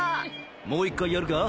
もう一回やるか？